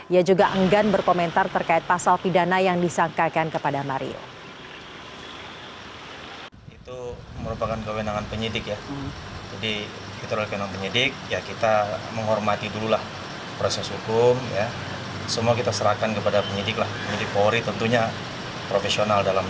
ia juga enggan berkomentar terkait pasal pidana yang disangkakan kepada mario